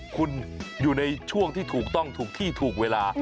คุณอยู่ในช่วงที่ถูกต้องถูกที่ถูกเวลา